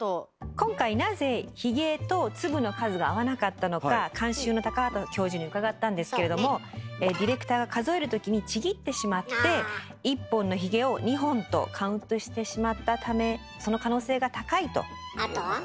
今回なぜヒゲと粒の数が合わなかったのか監修の畑教授に伺ったんですけれどもディレクターが数えるときにちぎってしまって１本のヒゲを２本とカウントしてしまったためその可能性が高いと。